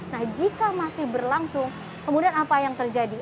nah jika masih berlangsung kemudian apa yang terjadi